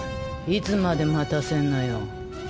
いつまで待たせんのよ。